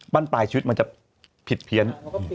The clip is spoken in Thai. ปลายชีวิตมันจะผิดเพี้ยน